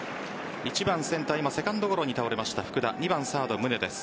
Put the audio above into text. １番にはセンターセカンドゴロに倒れた福田２番サード・宗です。